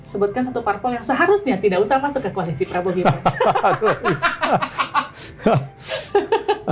sebutkan satu parpol yang seharusnya tidak usah masuk ke koalisi prabowo